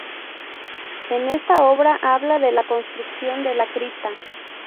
En esta obra habla de la construcción de la cripta.